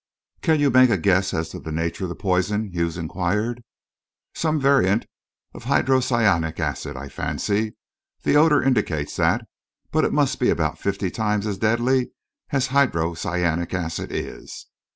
"Can you make a guess as to the nature of the poison?" Hughes inquired. "Some variant of hydrocyanic acid, I fancy the odour indicates that; but it must be about fifty times as deadly as hydrocyanic acid is."